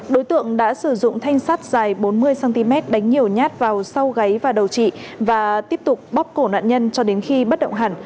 đối tượng đã sử dụng thanh sắt dài bốn mươi cm đánh nhiều nhát vào sau gáy và đầu trị và tiếp tục bóp cổ nạn nhân cho đến khi bất động hẳn